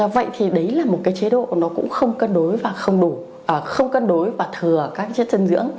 vậy thì đấy là một cái chế độ nó cũng không cân đối và thừa các chất dưỡng